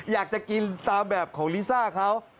อยากจะกินตามแบบของลิซ่าเขา